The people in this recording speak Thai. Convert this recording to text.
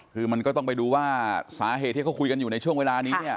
คือมันก็ต้องไปดูว่าสาเหตุที่เขาคุยกันอยู่ในช่วงเวลานี้เนี่ย